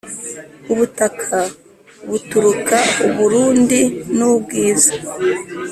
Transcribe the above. u butaka buturuka uburundi nubwiza